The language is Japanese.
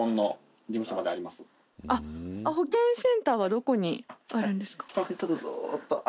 保健センターはどこにあるんですか？